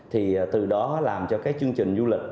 thì từ đó làm cho các chương trình du lịch